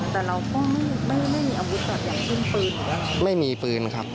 แต่น้องก็ไม่มีอาวุธแบบยกพื้นครับ